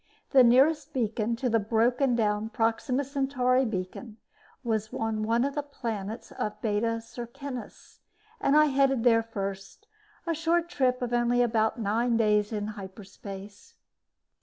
The nearest beacon to the broken down Proxima Centauri Beacon was on one of the planets of Beta Circinus and I headed there first, a short trip of only about nine days in hyperspace.